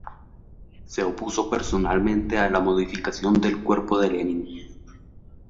Se opuso personalmente a la momificación del cuerpo de Lenin.